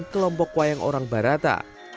kelompok wayang orang barata